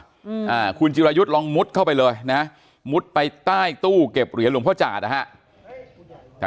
อ่าคุณจิรายุทธ์ลองมุดเข้าไปเลยนะฮะมุดไปใต้ตู้เก็บเหรียญหลวงพ่อจาดนะฮะแต่